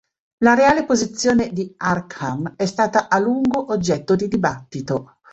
La reale posizione di Arkham è stata a lungo oggetto di dibattito.